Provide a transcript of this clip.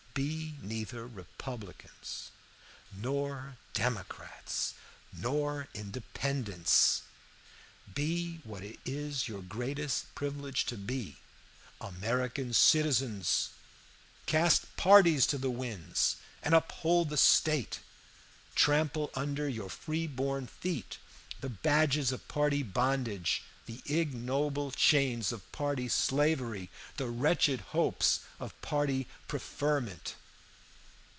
Be neither Republicans, nor Democrats, nor Independents. Be what it is your greatest privilege to be American citizens. Cast parties to the winds, and uphold the state. Trample under your free born feet the badges of party bondage, the ignoble chains of party slavery, the wretched hopes of party preferment."